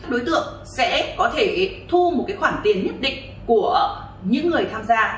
đối tượng sẽ có thể thu một khoản tiền nhất định của những người tham gia